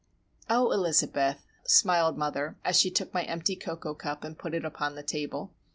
"Oh, Elizabeth!" smiled mother, as she took my empty cocoa cup and put it upon the table.